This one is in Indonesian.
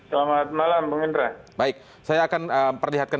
selamat malam bung indra